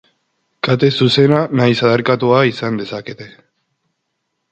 Kate zuzena nahiz adarkatua izan dezakete.